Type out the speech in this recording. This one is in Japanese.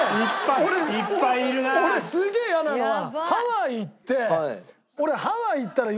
俺すげえ嫌なのはハワイ行って。